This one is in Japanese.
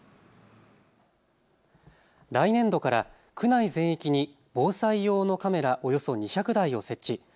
来年度から区内全域に防災用のカメラおよそ２００台を設置。